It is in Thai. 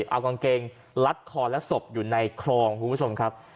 เอากางเกงลัดคอและศพอยู่ในคลองคุณผู้ชมครับ